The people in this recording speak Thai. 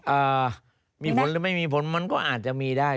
เอ่อมีผลหรือไม่มีผลมันก็อาจจะมีได้